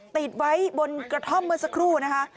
ตีดไว้บนกระท่อมเมืองสกรูนะคะ